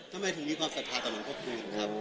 ทำไมถึงมีความศรัทธาต่อหลวงพระคูณครับ